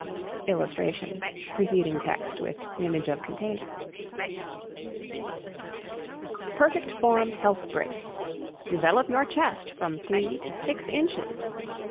[Illustration: Preceding text with image container.] Perfect Form Health Brace Develop your chest from 3 to 6 inches.